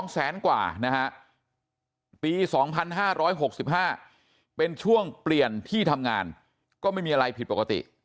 แสนกว่านะฮะปี๒๕๖๕เป็นช่วงเปลี่ยนที่ทำงานก็ไม่มีอะไรผิดปกติ